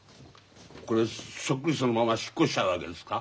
これそっくりそのまま引っ越しちゃうわけですか？